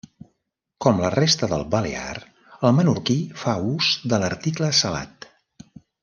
Com la resta del balear, el menorquí fa ús de l'article salat.